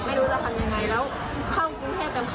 เลยแบบไม่รู้จะทำยังไงแล้วเข้ากรุงเทพฯเป็นครั้งแรกแล้วค่ะ